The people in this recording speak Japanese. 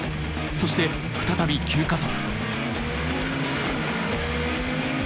そして再び急加速。